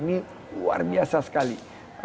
ini luar biasa sekali